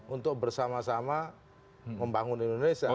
untuk bersama sama membangun indonesia